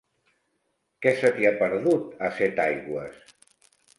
Què se t'hi ha perdut, a Setaigües?